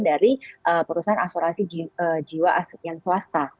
dari perusahaan asuransi jiwa aset yang swasta